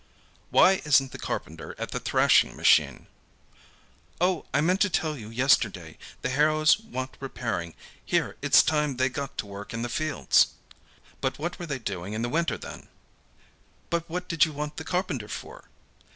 "Why isn't the carpenter at the thrashing machine?" "Oh, I meant to tell you yesterday, the harrows want repairing. Here it's time they got to work in the fields." "But what were they doing in the winter, then?" "But what did you want the carpenter for?"